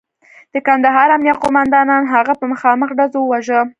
د کندهار امنیه قوماندان هغه په مخامخ ډزو وواژه.